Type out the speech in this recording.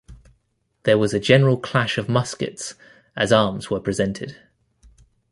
There was a general clash of muskets, as arms were presented.